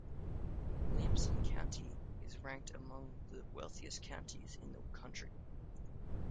Williamson County is ranked among the wealthiest counties in the country.